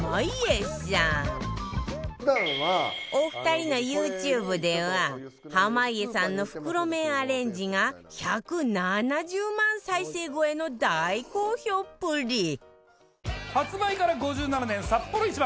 お二人の ＹｏｕＴｕｂｅ では濱家さんの袋麺アレンジが１７０万再生超えの大好評っぷり発売から５７年サッポロ一番。